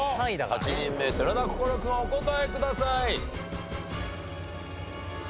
８人目寺田心君お答えください。